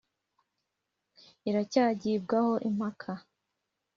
iracyagibwaho impaka